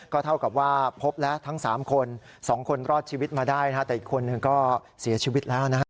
เท่ากับว่าพบแล้วทั้ง๓คน๒คนรอดชีวิตมาได้นะฮะแต่อีกคนหนึ่งก็เสียชีวิตแล้วนะฮะ